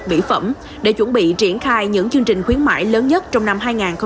mỹ phẩm để chuẩn bị triển khai những chương trình khuyến mại lớn nhất trong năm hai nghìn hai mươi bốn